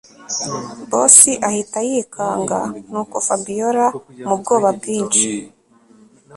Boss ahita yikanga nuko Fabiora mubwoba bwinshi